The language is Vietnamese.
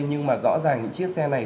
nhưng mà rõ ràng những chiếc xe này